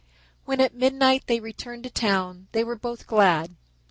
When at midnight they returned to town they were both glad.